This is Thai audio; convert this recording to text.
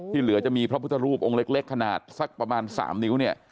เหลือจะมีพระพุทธรูปองค์เล็กขนาดสักประมาณ๓นิ้วเนี่ย